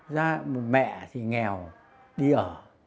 ra mẹ thì nghèo đi ở